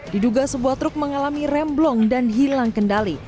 diduga sebuah truk mengalami remblong dan hilang kendali